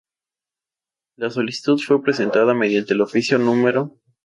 La solicitud fue presentada mediante el Oficio No.